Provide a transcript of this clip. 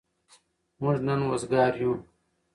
موږ نن وزگار يو.